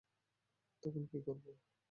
তখন কি করবো?